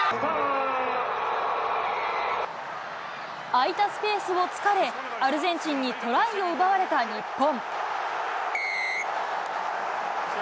空いたスペースを突かれ、アルゼンチンにトライを奪われた日本。